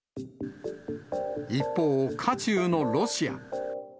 一方、渦中のロシア。